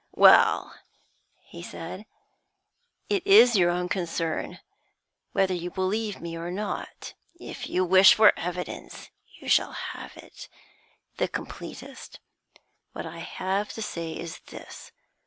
'Well,' he said, 'it is your own concern whether you believe me or not. If you wish for evidence, you shall have it, the completest. What I have to say is this.